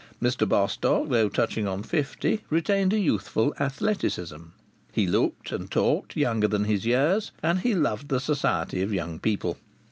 Mr Bostock, though touching on fifty, retained a youthful athleticism; he looked and talked younger than his years, and he loved the society of young people.